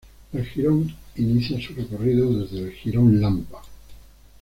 El jirón inicia su recorrido desde el Jirón Lampa.